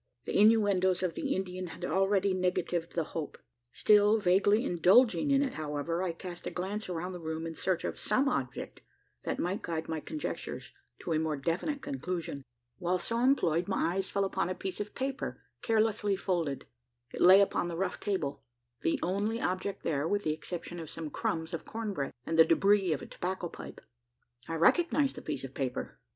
The innuendoes of the Indian had already negatived the hope. Still vaguely indulging in it, however, I cast a glance around the room in search of some object that might guide my conjectures to a more definite conclusion. While so employed, my eyes fell upon a piece of paper carelessly folded. It lay upon the rough table the only object there, with the exception of some crumbs of corn bread, and the debris of a tobacco pipe. I recognised the piece of paper.